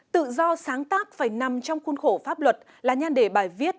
tự do sáng tác phải nằm trong khuôn khổ pháp luật là nhan đề bài viết